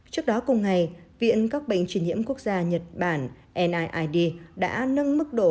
trước đó cùng ngày viện các bệnh truyền hiểm quốc gia nhật bản niid đã nâng mức độ